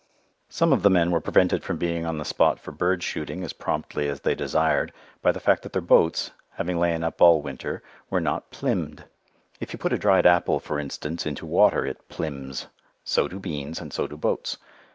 Some of the men were prevented from being on the spot for bird shooting as promptly as they desired by the fact that their boats, having lain up all winter, were not "plymmed." If you put a dried apple, for instance, into water it "plymms"; so do beans, and so do boats.